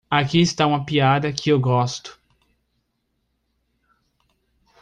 Aqui está uma piada que eu gosto.